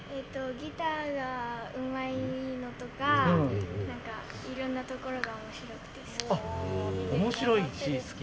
ギターがうまいのとかいろんなところが面白くて好き。